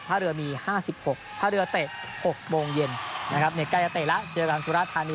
ผ้าเรือมี๕๖ผ้าเรือเตะ๖โมงเย็นในไกลตะเตะแล้วเจอกันสุราธารณี